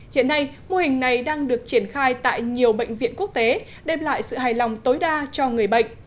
hiện nay mô hình này đang được triển khai tại nhiều bệnh viện quốc tế đem lại sự hài lòng tối đa cho người bệnh